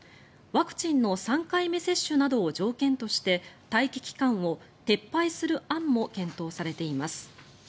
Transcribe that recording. ワクチンの３回目接種などを条件として待機期間を撤廃する案も検討されています。